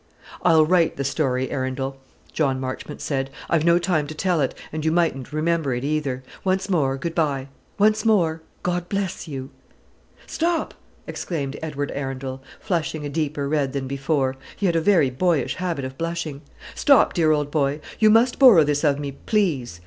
"I'll write the story, Arundel," John Marchmont said; "I've no time to tell it, and you mightn't remember it either. Once more, good bye; once more, God bless you!" "Stop!" exclaimed Edward Arundel, flushing a deeper red than before, he had a very boyish habit of blushing, "stop, dear old boy. You must borrow this of me, please.